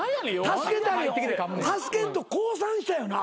助けんと降参したよな？